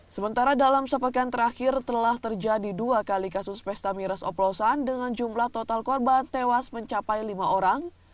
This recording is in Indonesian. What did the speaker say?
sementara dalam sepekan terakhir telah terjadi dua kali kasus pesta miras oplosan dengan jumlah total korban tewas mencapai lima orang